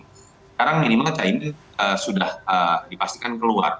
sekarang minimal china sudah dipastikan keluar